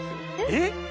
えっ？